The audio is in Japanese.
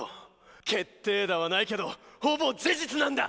決定打はないけどほぼ事実なんだ！